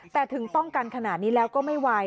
แต่ถึงป้องกันขนาดนี้แล้วก็ไม่ไหว